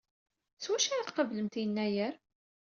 S wacu ara tqablemt Yennayer?